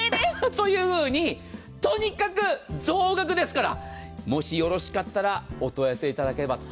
というふうにとにかく増額ですからもしよろしかったらお問い合わせいただければと。